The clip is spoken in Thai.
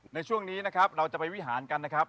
ในช่วงนี้นะครับเราจะไปวิหารกันนะครับ